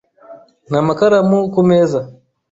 Nta makaramu ku meza .